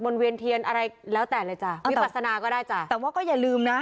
เวียนเทียนอะไรแล้วแต่เลยจ้ะวิปัสนาก็ได้จ้ะแต่ว่าก็อย่าลืมนะ